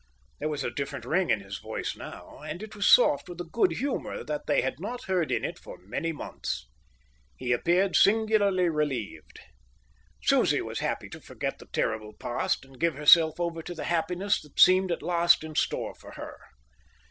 There was a different ring in his voice now, and it was soft with a good humour that they had not heard in it for many months. He appeared singularly relieved. Susie was ready to forget the terrible past and give herself over to the happiness that seemed at last in store for her.